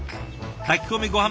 炊き込みごはん